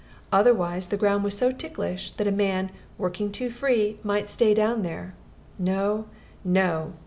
Otherwise the ground was so ticklish, that a man, working too free, might stay down there. No, no!